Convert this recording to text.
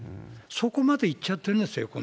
そこまでいっちゃってるんですよ。